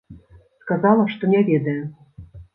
Сказала, што не ведае.